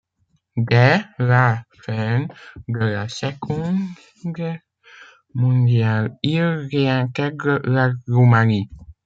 Dès la fin de la Seconde Guerre mondiale, il réintègre la Roumanie.